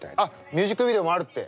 ミュージックビデオもあるって。